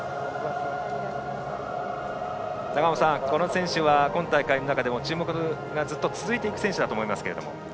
永尾さん、この選手は今大会の中でも注目がずっと続いていく選手だと思います。